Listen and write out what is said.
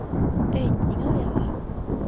Әйт, ниңә оялаһың?